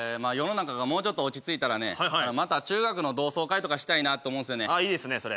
世の中がもうちょっと落ち着いたらねまた中学の同窓会とかしたいなと思うんですよねいいですね